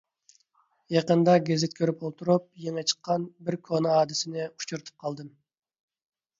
يېقىندا گېزىت كۆرۈپ ئولتۇرۇپ، يېڭى چىققان بىر كونا ھادىسىنى ئۇچرىتىپ قالدىم.